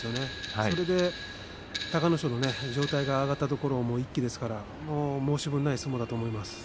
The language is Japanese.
それで隆の勝の上体が上がったところを一気ですから申し分ない相撲だと思います。